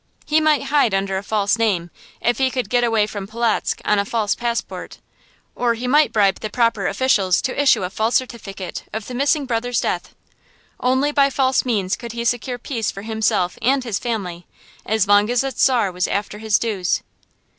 He might hide under a false name, if he could get away from Polotzk on a false passport; or he might bribe the proper officials to issue a false certificate of the missing brother's death. Only by false means could he secure peace for himself and his family, as long as the Czar was after his dues.